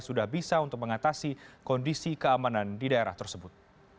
sudah bisa untuk mengatasi kondisi keamanan di daerah tersebut